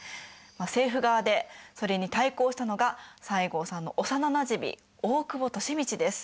政府側でそれに対抗したのが西郷さんの幼なじみ大久保利通です。